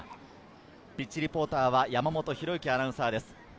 ピッチリポーターは山本紘之アナウンサーです。